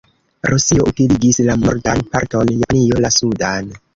Rusio utiligis la nordan parton, Japanio la sudan.